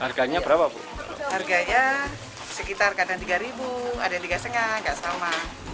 harganya berapa harganya sekitar kadang tiga ribu ada tiga setengah enggak sama